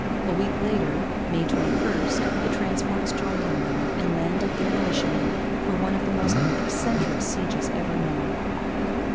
A week later, May 21, the transports joined him there, and landed their militiamen for one of the most eccentric sieges ever known.